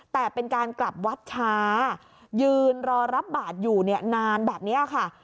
แต่เป็นการกลับวัดช้ายืนรอรับบาทอยู่เนี่ยนานแบบนี้ค่ะ